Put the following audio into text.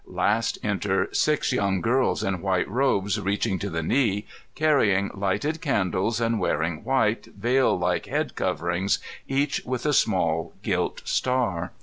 Last enter six young gjrls in white robes reaching to the knee, carrying lighted candles and wearing white, veil like head coverings, each with a small gilt star.